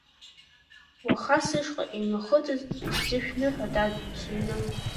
Уаха сышҟа имҩахыҵыз, исзышәныҳәа, дад, сыҩны.